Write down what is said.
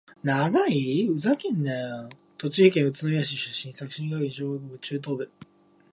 栃木県宇都宮市出身。作新学院小学部、作新学院中等部、栃木県立宇都宮高等学校、青山学院大学文学部日本文学科卒業。